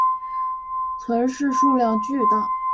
存世数量巨大。